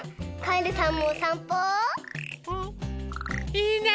いいね。